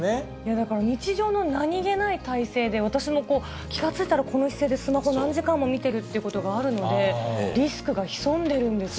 だから日常の何気ない体勢で、私も気が付いたらこの姿勢でスマホ、何時間も見てるっていうことがあるので、リスク潜んでるんですね。